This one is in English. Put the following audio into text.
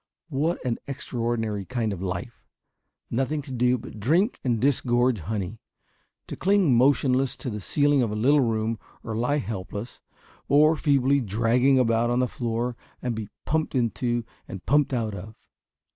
What an extraordinary kind of life! Nothing to do but to drink and disgorge honey; to cling motionless to the ceiling of a little room, or lie helpless, or feebly dragging about on the floor and be pumped into and pumped out of!